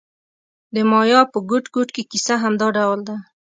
د مایا په ګوټ ګوټ کې کیسه همدا ډول ده